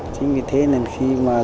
chính vì thế nên khi mà ra trại